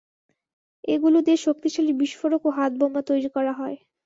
এগুলো দিয়ে শক্তিশালী বিস্ফোরক ও হাতবোমা তৈরি করা হয়।